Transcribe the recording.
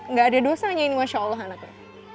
nggak ada dosanya ini masya allah anaknya